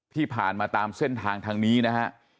ที่ผ่านมาตามเส้นทางทางนี้นะฮะ